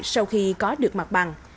sau khi có được mặt bằng